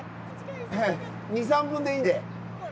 ２３分でいいんで。